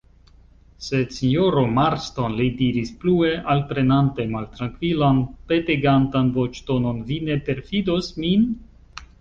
Sed, sinjoro Marston, li diris plue, alprenante maltrankvilan, petegantan voĉtonon, vi ne perfidos min?